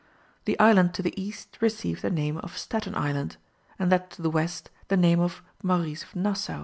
The island to the east received the name of Staten Island, and that to the west the name of Maurice of Nassau.